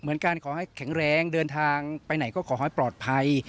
การขอให้แข็งแรงเดินทางไปไหนก็ขอให้ปลอดภัย